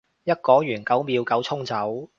一講完九秒九衝走